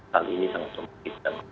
hal ini sangat memungkinkan